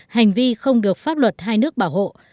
hành vi không được pháp luật hai nước bảo hộ